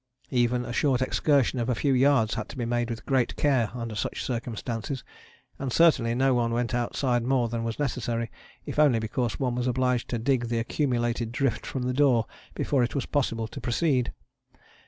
Even a short excursion of a few yards had to be made with great care under such circumstances, and certainly no one went outside more than was necessary, if only because one was obliged to dig the accumulated drift from the door before it was possible to proceed.